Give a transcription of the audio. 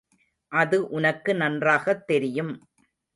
அது உனக்கு நன்றாகத் தெரியும்.